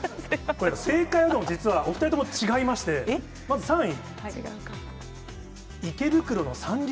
正解は、実はお２人とも違いまして、まず３位。